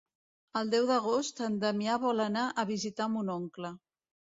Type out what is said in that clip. El deu d'agost en Damià vol anar a visitar mon oncle.